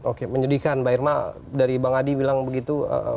oke menyedihkan mbak irma dari bang adi bilang begitu